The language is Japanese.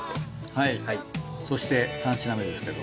はいそして３品目ですけど。